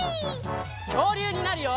きょうりゅうになるよ！